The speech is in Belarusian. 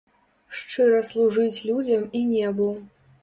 Шчыра служыць людзям і небу!